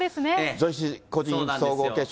女子個人総合決勝。